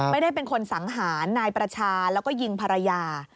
ไม่ได้เป็นคนสังหารนายประชาแล้วก็ยิงภรรยา